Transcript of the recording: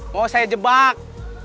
mau saya jebak